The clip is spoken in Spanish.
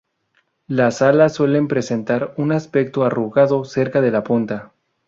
Las alas suelen presentar un aspecto arrugado cerca de la punta.